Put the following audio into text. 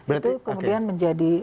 itu kemudian menjadi